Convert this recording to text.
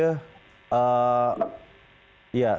selamat pagi pak